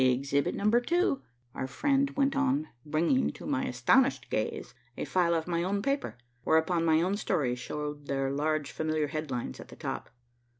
"Exhibit Number two," our friend went on, bringing to my astonished gaze a file of my own paper, whereupon my own stories showed their large familiar headlines at the top.